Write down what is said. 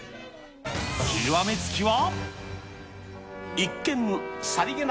極め付きは。